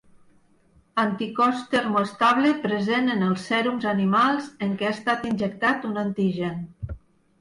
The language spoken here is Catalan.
Anticòs termoestable present en els sèrums animals en què ha estat injectat un antigen.